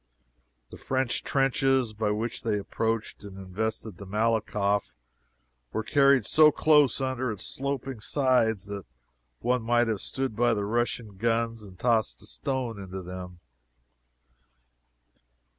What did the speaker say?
The French trenches, by which they approached and invested the Malakoff were carried so close under its sloping sides that one might have stood by the Russian guns and tossed a stone into them.